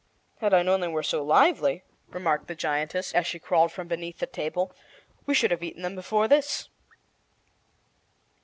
"Had I known they were so lively," remarked the giantess, as she crawled from beneath the table, "we should have eaten them before this."